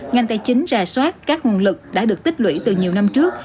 ngành tài chính ra soát các nguồn lực đã được tích lũy từ nhiều năm trước